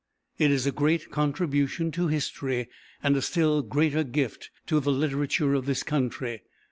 It is a great contribution to history, and a still greater gift to the literature of this country.